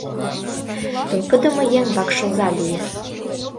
Толкыдымо еҥ вакшоза лие.